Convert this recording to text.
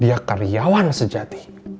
dia karyawan sejati